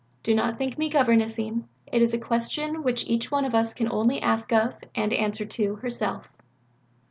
Do not think me governess ing. It is a question which each one of us can only ask of, and answer to, herself."